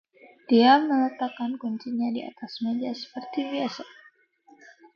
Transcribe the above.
Dia meletakkan kuncinya di atas meja seperti biasa.